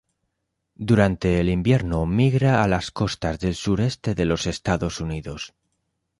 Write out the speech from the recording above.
Durante el invierno migra a las costas del sureste de los Estados Unidos.